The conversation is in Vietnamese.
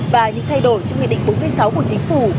và những thay đổi trong nghị định bốn mươi sáu của chính phủ